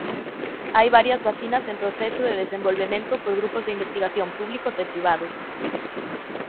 Hai varias vacinas en proceso ded desenvolvemento por grupos de investigación públicos e privados.